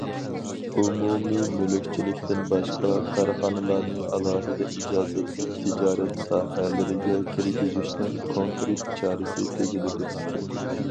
ئومۇمىي مۈلۈكچىلىكتىن باشقا كارخانىلارنى ئالاھىدە ئىجازەتلىك تىجارەت ساھەلىرىگە كىرگۈزۈشنىڭ كونكرېت چارىسى تۈزۈلىدۇ.